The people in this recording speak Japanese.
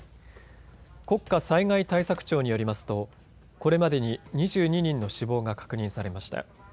国家災害対策庁によりますとこれまでに２２人の死亡が確認されました。